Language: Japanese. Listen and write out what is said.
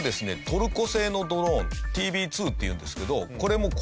トルコ製のドローンＴＢ２っていうんですけどこれも攻撃型です。